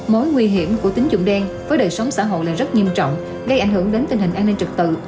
mối nguy hiểm của tính dụng đen với đời sống xã hội là rất nghiêm trọng gây ảnh hưởng đến tình hình an ninh trực tự